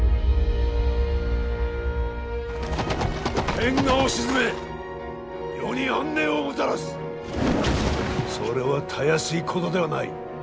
天下を鎮め世に安寧をもたらすそれはたやすいことではない。